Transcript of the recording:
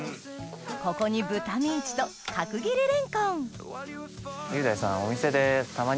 ここに豚ミンチと角切りレンコン裕大さん。